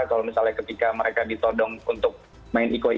kalau misalnya ketika mereka ditodong untuk main iko ii